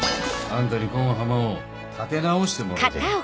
あんたにこん浜を立て直してもらいたいんよ。